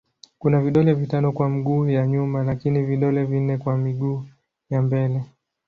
Kuna vidole vitano kwa miguu ya nyuma lakini vidole vinne kwa miguu ya mbele.